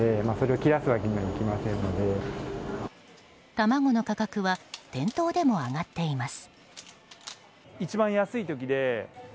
卵の価格は店頭でも上がっています。